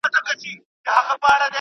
د دوی د مشاهدې ډول نیمګړی و.